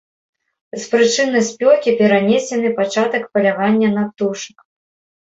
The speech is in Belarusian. З прычыны спёкі перанесены пачатак палявання на птушак.